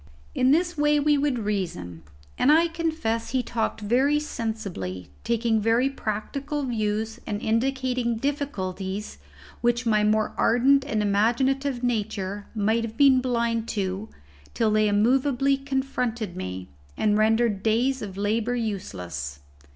In this way we would reason, and I confess he talked very sensibly, taking very practical views, and indicating difficulties which my more ardent and imaginative nature might have been blind to till they immovably confronted me, and rendered days of labour useless.